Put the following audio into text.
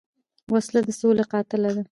وسله د سولې قاتله ده